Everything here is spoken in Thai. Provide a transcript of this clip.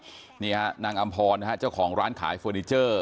บอกว่าจะคนเดียวกันหรือเปล่านี่นางอำพอร์เจ้าของร้านขายเฟอร์นิเจอร์